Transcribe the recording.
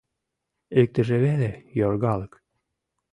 Иктыже веле йоргалык.